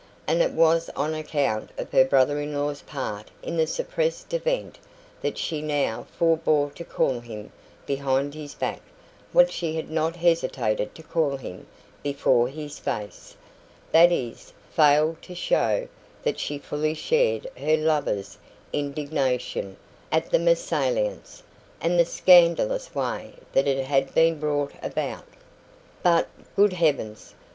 And it was on account of her brother in law's part in the suppressed event that she now forbore to call him behind his back what she had not hesitated to call him before his face that is, failed to show that she fully shared her lover's indignation at the MESALLIANCE, and the scandalous way that it had been brought about. "But, good heavens!"